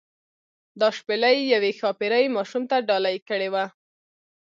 دا شپیلۍ یوې ښاپیرۍ ماشوم ته ډالۍ کړې وه.